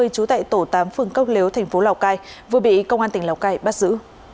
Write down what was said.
trú tại tổ tám phường cốc léo tp lào cai vừa bị công an tỉnh lào cai bắt giữ